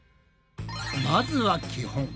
まずは基本。